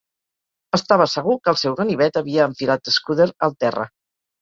Estava segur que el seu ganivet havia enfilat Scudder al terra.